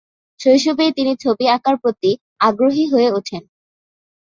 শৈশবেই তিনি ছবি আঁকার প্রতি আগ্রহী হয়ে উঠেন।